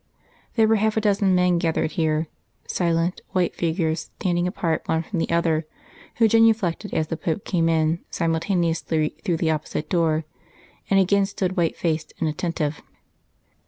There were half a dozen men gathered here, silent, white figures standing apart one from the other, who genuflected as the Pope came in simultaneously through the opposite door, and again stood white faced and attentive.